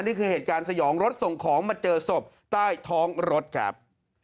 นี่คือเหตุการณ์สยองรถส่งของมาเจอศพใต้ท้องรถครับ